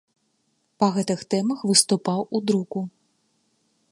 Па гэтых тэмах выступаў у друку.